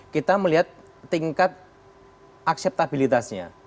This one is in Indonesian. kita melihat tingkat akseptabilitasnya